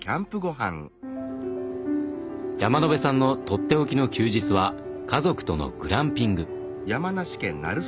山野辺さんのとっておきの休日は家族とのグランピング。